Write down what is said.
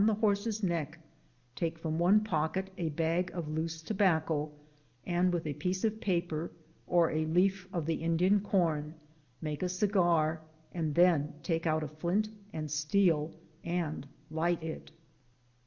the horse's neck, take from one pocket a bag of loose tobacco, and with a piece of paper, or a leaf of the Indian corn, make a segar, and then take out a flint and steel and light it.